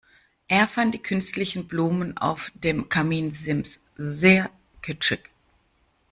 Er fand die künstlichen Blumen auf dem Kaminsims sehr kitschig.